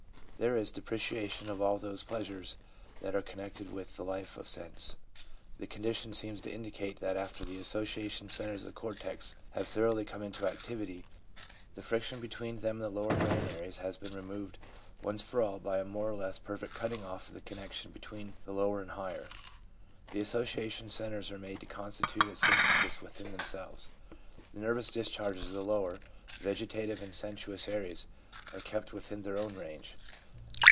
There is depreciation of all those pleasures that are connected with the life of sense. The condition seems to indicate that after the association centres of the cortex have thoroughly come into activity, the friction between them and the lower brain areas has been removed once for all by a more or less perfect cutting off of the connection between the lower and higher. The association centres are made to constitute a synthesis within themselves. The nervous discharges of the lower, vegetative and sensuous areas are kept within their own range.